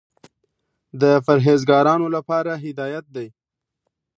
د پرهېزګارانو لپاره هدایت دى.